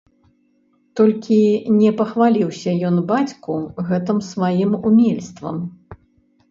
Толькі не пахваліўся ён бацьку гэтым сваім умельствам.